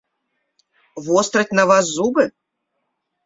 Востраць на вас зубы?